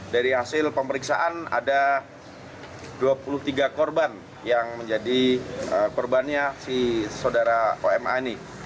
dari hasil pemeriksaan ada dua puluh tiga korban yang menjadi korbannya si saudara oma ini